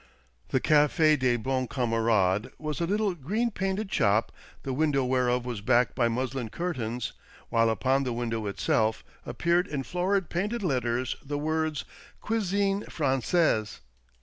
The Cafe des Bons Camarades was a little green painted shop the window whereof was backed by muslin curtains, while upon the window itself appeared in florid painted letters the words "Cuisine Fran9aise."